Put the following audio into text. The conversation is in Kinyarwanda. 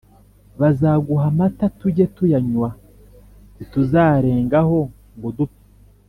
bazaguha amata tujye tuyanywa ntituzarengaho ngo dupfe,